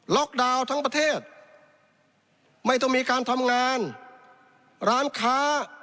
ดาวน์ทั้งประเทศไม่ต้องมีการทำงานร้านค้า